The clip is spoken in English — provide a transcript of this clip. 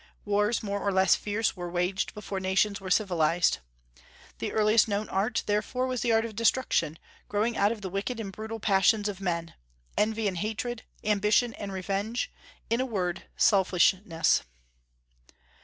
Wars more or less fierce were waged before nations were civilized. The earliest known art, therefore, was the art of destruction, growing out of the wicked and brutal passions of men, envy and hatred, ambition and revenge; in a word, selfishness.